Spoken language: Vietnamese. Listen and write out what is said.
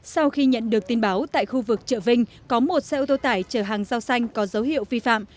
sau khi nhận được tin báo tại khu vực chợ vinh có một xe ô tô tải chở hàng giao xanh có dấu hiệu vi phạm